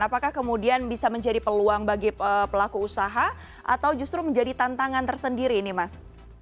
apakah kemudian bisa menjadi peluang bagi pelaku usaha atau justru menjadi tantangan tersendiri ini mas